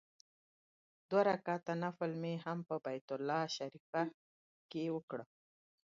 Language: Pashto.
دوه رکعته نفل مې هم په بیت الله شریفه کې وکړ.